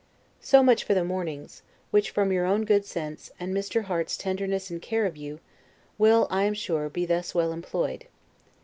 So much for the mornings, which from your own good sense, and Mr. Harte's tenderness and care of you, will, I am sure, be thus well employed.